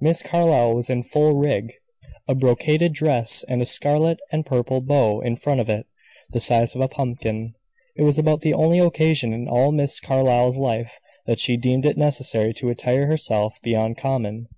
Miss Carlyle was in full rig; a brocaded dress, and a scarlet and purple bow in front of it, the size of a pumpkin. It was about the only occasion, in all Miss Carlyle's life, that she deemed it necessary to attire herself beyond common.